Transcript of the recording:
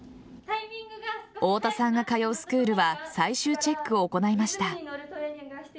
太田さんが通うスクールは最終チェックを行いました。